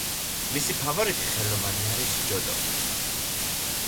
მისი ფავორიტი ხელოვანი არის ჯოტო.